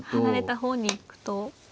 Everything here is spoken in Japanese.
離れた方に行くと。